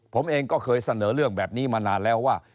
ผมเองก็เคยเสนอเรื่องแบบนี้มานานแล้วว่า